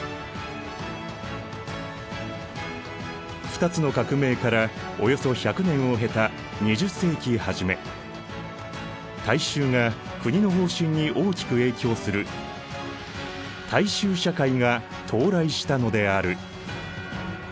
二つの革命からおよそ１００年を経た２０世紀初め大衆が国の方針に大きく影響する大衆社会が到来したのである。